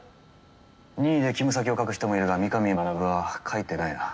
任意で勤務先を書く人もいるが三神学は書いてないな。